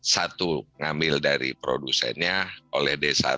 satu ngambil dari produsennya oleh d satu